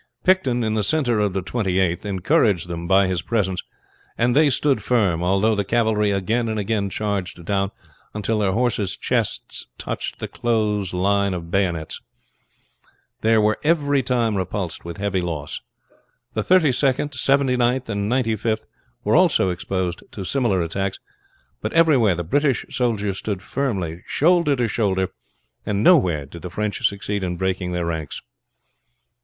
Picton in the center of the Twenty eighth encouraged them by his presence, and they stood firm, although the cavalry again and again charged down until their horse's chests touched the close line of bayonets. They were every time repulsed with heavy loss. The Thirty second, Seventy ninth, and Ninety fifth were also exposed to similar attacks; but everywhere the British soldiers stood firmly shoulder to shoulder, and nowhere did the French succeed in breaking their ranks.